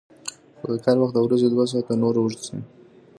خو د کار وخت د ورځې دوه ساعته نور اوږد شي